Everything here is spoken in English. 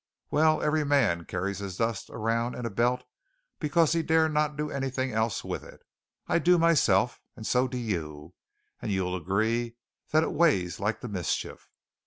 Well, every man carries his dust around in a belt because he dare not do anything else with it. I do myself, and so do you; and you'll agree that it weighs like the mischief.